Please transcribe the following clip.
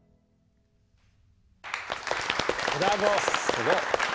すごい！